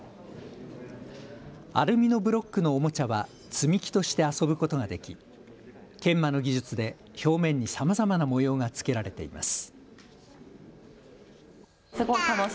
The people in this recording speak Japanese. アルミのブロックのおもちゃは積み木として遊ぶことができ研磨の技術で表面にさまざまな模様がつけられています。